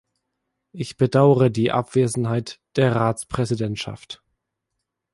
Ich bedaure die Abwesenheit der Ratspräsidentschaft.